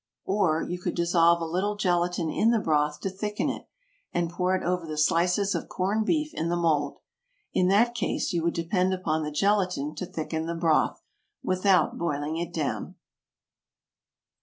Or, you could dissolve a little gelatine in the broth to thicken it, and pour it over the slices of corned beef in the mould. In that case you would depend upon the gelatine to thicken the broth, without boiling it down.